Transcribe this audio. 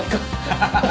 ハハハハ！